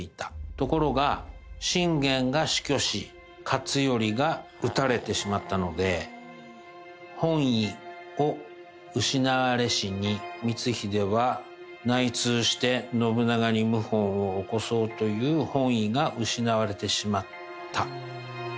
ところが信玄が死去し勝頼が討たれてしまったので本意を失われしに光秀は内通して信長に謀反を起こそうという本意が失われてしまった。